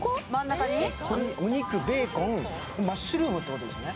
お肉、ベーコン、マッシュルームっていうことですよね。